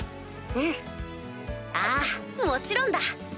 うんああもちろんだ！